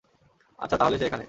আচ্ছা, তাহলে সে এখানে।